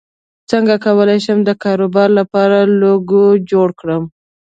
څنګه کولی شم د کاروبار لپاره لوګو جوړ کړم